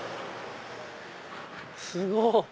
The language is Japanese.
すごっ！